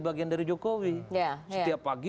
bagian dari jokowi setiap pagi